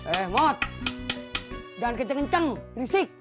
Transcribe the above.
eh mot jangan kenceng kenceng krisik